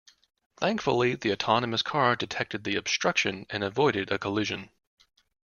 Thankfully the autonomous car detected the obstruction and avoided a collision.